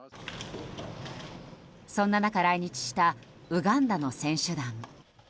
そんな中、来日したウガンダの選手団。